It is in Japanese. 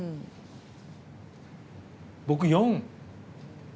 僕、４。